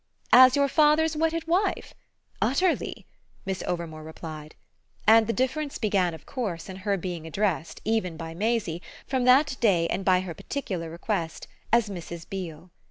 "As your father's wedded wife? Utterly!" Miss Overmore replied. And the difference began of course in her being addressed, even by Maisie, from that day and by her particular request, as Mrs. Beale.